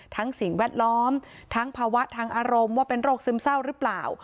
สิ่งแวดล้อมทั้งภาวะทางอารมณ์ว่าเป็นโรคซึมเศร้าหรือเปล่า